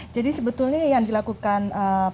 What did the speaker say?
jadi sebetulnya yang dilakukan pak gubernur